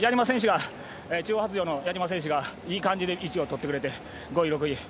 前半の矢嶋選手がいい感じで位置を取ってくれて５位、６位。